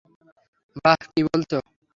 বাঃ কী বলছ!